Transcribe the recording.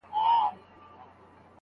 تا د مځکي پر مخ راوړې سپیني حوري جنتونه